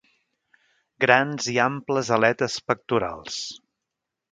Grans i amples aletes pectorals.